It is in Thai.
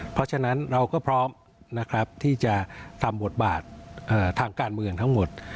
เพราะฉะนั้นเราก็พร้อมนะครับที่จะทำบทบาททางการเมืองทั้งหมด